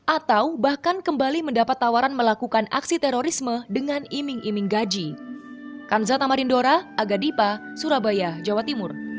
atau bahkan kembali mendapat tawaran melakukan aksi terorisme dengan iming iming gaji